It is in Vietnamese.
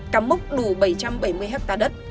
cắm mốc đủ bảy trăm bảy mươi ha đất